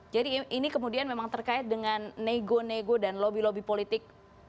jadi ini kemudian memang terkait dengan nego nego dan lobby lobby politik